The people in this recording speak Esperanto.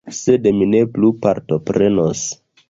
Sed mi ne plu partoprenos.